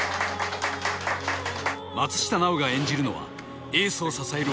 松下奈緒が演じるのはエースを支える